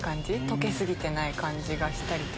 溶け過ぎてない感じがしたり。